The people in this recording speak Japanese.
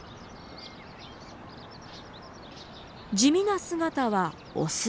地味な姿はオス。